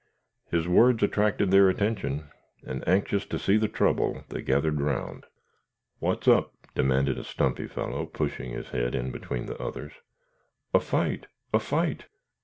His words attracted their attention, and, anxious to see the trouble, they gathered round. "What's up?" demanded a stumpy fellow, pushing his head in between the others. "A fight! a fight!"